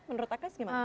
menurut agnes gimana